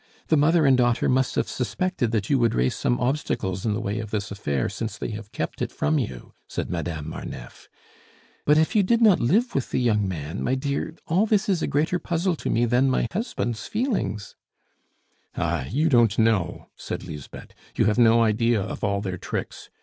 The mother and daughter must have suspected that you would raise some obstacles in the way of this affair since they have kept it from you," said Madame Marneffe. "But if you did not live with the young man, my dear, all this is a greater puzzle to me than my husband's feelings " "Ah, you don't know," said Lisbeth; "you have no idea of all their tricks.